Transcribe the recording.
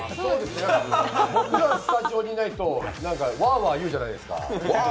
僕がスタジオにいないとワーワー言うじゃないですか。